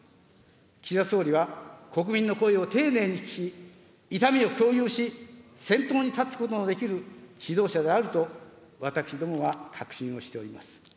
岸田総理は国民の声を丁寧に聞き、痛みを共有し、先頭に立つことのできる指導者であると、私どもは確信をしております。